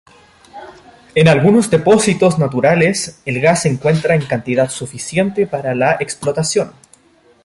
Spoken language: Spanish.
En algunos depósitos naturales el gas se encuentra en cantidad suficiente para la explotación.